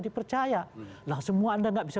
dipercaya nah semua anda nggak bisa